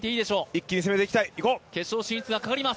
一気に攻めていきたい、いこう！